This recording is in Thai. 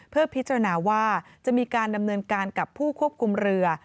เพื่อพิจารณาว่าจะมีการดำเนินการกับผู้ควบคุมเรือ